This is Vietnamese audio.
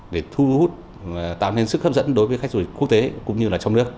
để thu hút tạo nên sức hấp dẫn đối với khách sụi quốc tế cũng như trong nước